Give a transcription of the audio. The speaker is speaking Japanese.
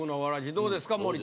どうですか？